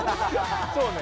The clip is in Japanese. そうね